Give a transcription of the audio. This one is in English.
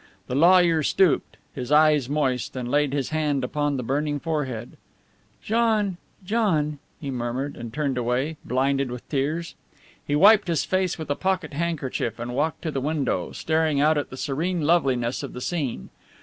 The lawyer stooped, his eyes moist, and laid his hand upon the burning forehead. "John, John," he murmured, and turned away, blinded with tears. He wiped his face with a pocket handkerchief and walked to the window, staring out at the serene loveliness of the scene.